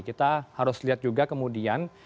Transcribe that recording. kita harus lihat juga kemudian